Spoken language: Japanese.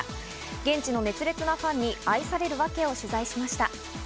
現地の熱烈なファンに愛されるワケを取材しました。